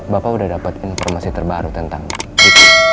bapak udah dapat informasi terbaru tentang riki